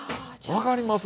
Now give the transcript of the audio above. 分かります？